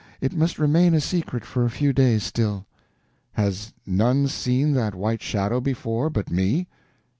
It must remain a secret for a few days still." "Has none seen that white shadow before but me?"